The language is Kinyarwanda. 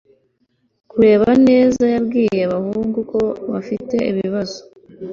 Kureba neza yabwiye abahungu ko bafite ibibazo